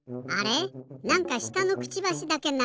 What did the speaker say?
なんかしたのクチバシだけながい。